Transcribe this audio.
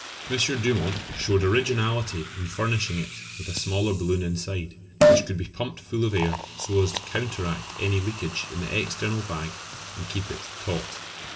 M. Dumont showed originality in furnishing it with a smaller balloon inside, which could be pumped full of air so as to counteract any leakage in the external bag and keep it taut.